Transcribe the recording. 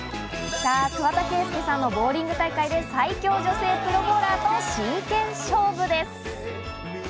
さぁ、桑田佳祐さんのボウリング大会で最強女性プロボウラーと真剣勝負です。